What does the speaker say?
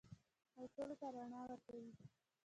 او ټولو ته رڼا ورکوي.